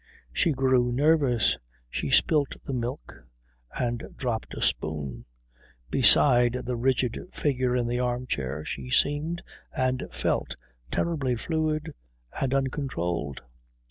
She grew nervous. She spilt the milk and dropped a spoon. Beside the rigid figure in the armchair she seemed and felt terribly fluid and uncontrolled.